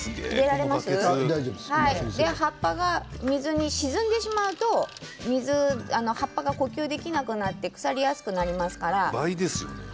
葉っぱが水で沈んでしまうと葉っぱは呼吸できなくなって腐りやすくなってしまいますので。